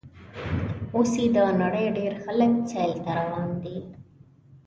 اوس یې د نړۍ ډېر خلک سیل ته روان دي.